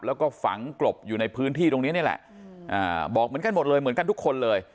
แล้วก็ฝังกลบอยู่ในพื้นที่ตรงนี้นี่แหละบอกเหมือนกันหมดเลยเหมือนกันทุกคนเลย